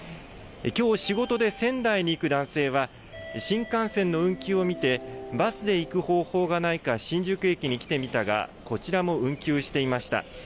きょう仕事で、仙台に行く男性は、新幹線の運休を見て、バスで行く方法がないか新宿駅に来てみたが、こちらも運休していました。